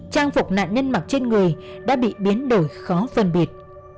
trang phục nạn nhân mặc trên người đã bị biến đổi khó phân biệt